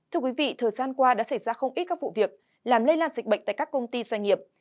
thưa quý vị thời gian qua đã xảy ra không ít các vụ việc làm lây lan dịch bệnh tại các công ty doanh nghiệp